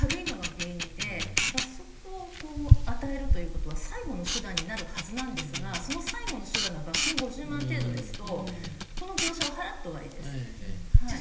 罰則を与えるという事は最後の手段になるはずなんですがその最後の手段が罰金５０万程度ですとこの業者は払って終わりです。